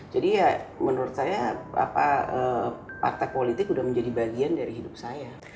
ya menurut saya partai politik sudah menjadi bagian dari hidup saya